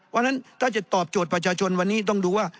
ว่าถ้าจะตอบโจทย์ประชาชนวันนี้ต้องดูว่า